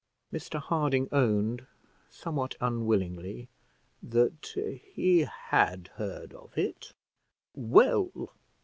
Mr Harding owned, somewhat unwillingly, that he had heard of it. "Well!"